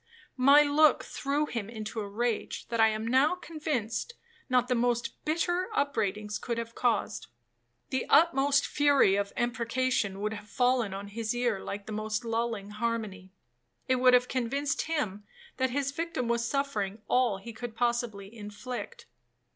My look threw him into a rage, that I am now convinced not the most bitter upbraidings could have caused. The utmost fury of imprecation would have fallen on his ear like the most lulling harmony;—it would have convinced him that his victim was suffering all he could possibly inflict.